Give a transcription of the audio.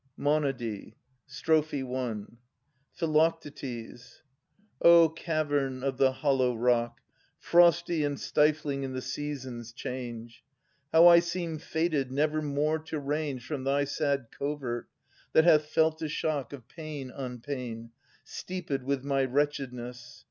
Monody. Strophe I. Phi. O cavern of the hollow rock, Frosty and stifling in the seasons' change! How I seem fated never more to range From thy sad covert, that hath felt the shock Of pain on pain, steeped with my wretchedness.